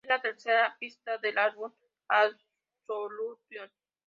Es la tercera pista del álbum "Absolution".